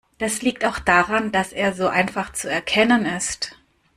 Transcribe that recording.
Das liegt auch daran, dass er so einfach zu erkennen ist.